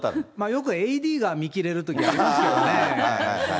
よくＡＤが見切れることありますよね。